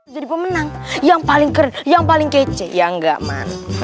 jadi pemenang yang paling keren yang paling kece yang gak man